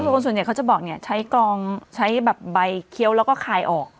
คนส่วนใหญ่เขาจะบอกเนี่ยใช้กลองใช้แบบใบเคี้ยวแล้วก็คายออก